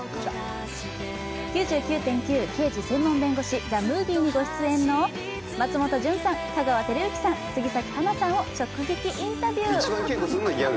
「９９．９−刑事専門弁護士−ＴＨＥＭＯＶＩＥ」にご出演の松本潤さん、香川照之さん、杉咲花さんを直撃。